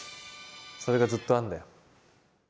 それがずっとあるんだよ。